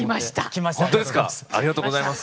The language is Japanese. ありがとうございます。